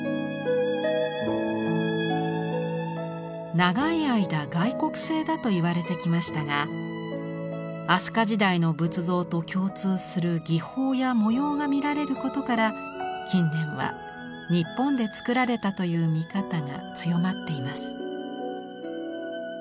長い間外国製だといわれてきましたが飛鳥時代の仏像と共通する技法や模様が見られることから近年は日本で作られたという見方が強まっています。